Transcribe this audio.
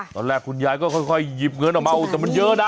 ตอนแรกคุณยายก็ค่อยหยิบเงินออกมาแต่มันเยอะนะ